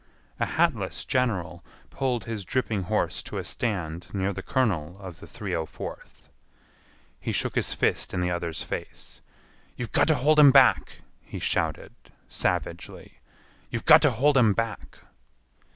A hatless general pulled his dripping horse to a stand near the colonel of the 304th. He shook his fist in the other's face. "You've got to hold 'em back!" he shouted, savagely; "you've got to hold 'em back!"